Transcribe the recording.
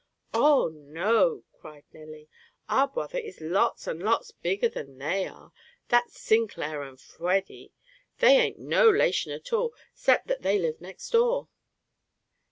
"Oh, no!" cried Nelly. "Our bwother is lots and lots bigger than they are. That's Sinclair and Fweddy. They ain't no 'lation at all, 'cept that they live next door."